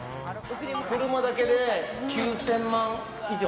車だけで９０００万以上。